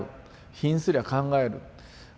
貧すりゃ考える。